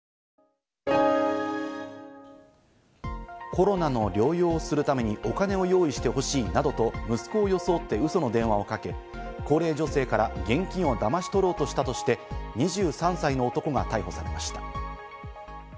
コロナの療養をするためにお金を用意してほしいなどと息子を装ってウソの電話をかけ、高齢女性から現金をだまし取ろうとしたとして、２３歳の男が逮捕されました。